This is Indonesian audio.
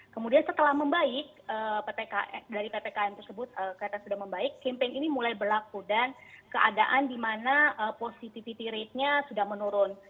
kemudian setelah membaik dari ppkm tersebut kereta sudah membaik campaign ini mulai berlaku dan keadaan di mana positivity ratenya sudah menurun